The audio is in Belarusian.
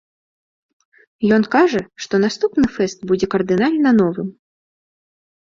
Ён кажа што, наступны фэст будзе кардынальна новым.